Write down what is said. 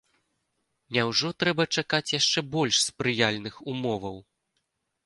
Няўжо трэба чакаць яшчэ больш спрыяльных умоваў?